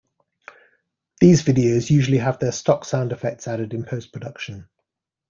These videos usually have their stock sound effects added in post-production.